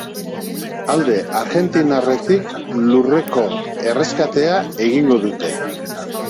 Alde argentinarretik lurreko erreskatea egingo dute.